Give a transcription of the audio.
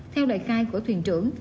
theo đại khai của thuyền trưởng